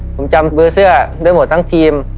ผมจำเบอร์เสื้อได้หมดทั้งทีม